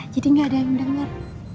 jadi gak ada yang dengar